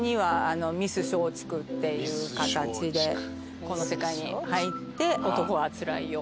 っていう形でこの世界に入って『男はつらいよ』